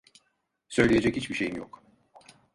Söyleyecek hiçbir şeyim yok.